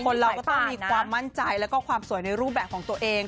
เราก็ต้องมีความมั่นใจแล้วก็ความสวยในรูปแบบของตัวเอง